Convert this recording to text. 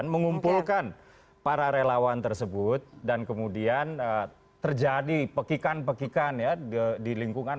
mengumpulkan para relawan tersebut dan kemudian terjadi pekikan pekikan ya di lingkungan